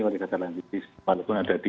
wali datanya lahan kritis walaupun ada di